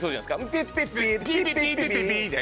ピピピピピピで。